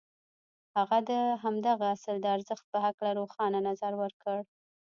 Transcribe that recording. هغه د همدغه اصل د ارزښت په هکله روښانه نظر ورکړ.